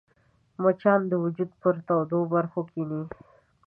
مچان د وجود پر تودو برخو کښېني